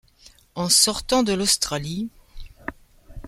En sortant de l’Australie. ..